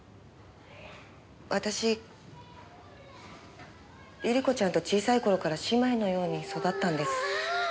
私百合子ちゃんと小さい頃から姉妹のように育ったんです。